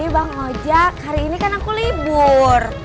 bang ojek hari ini kan aku libur